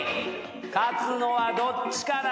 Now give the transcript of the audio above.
勝つのはどっちかな？